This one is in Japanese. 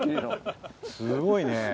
すごいね。